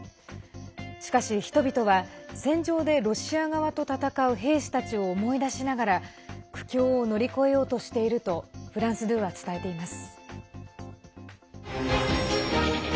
しかし、人々は戦場でロシア側と戦う兵士たちを思い出しながら苦境を乗り越えようとしているとフランス２は伝えています。